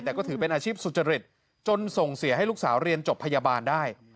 แต่ก็ถือเป็นอาชีพสุจริตจนส่งเสียให้ลูกสาวเรียนจบพยาบาลได้